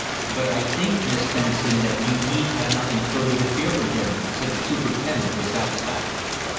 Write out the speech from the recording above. "But I think, Miss Tennison, that you need have nothing further to fear from him," said the Superintendent with satisfaction.